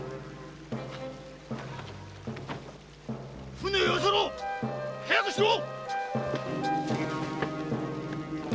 船を寄せろ！早くしろ！